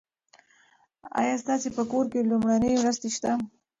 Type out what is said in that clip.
ایا ستاسي په کور کې لومړنۍ مرستې شته؟